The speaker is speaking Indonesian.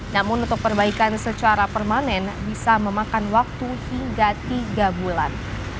namun untuk perbaikan secara permanen bisa memakan waktu hingga tiga bulan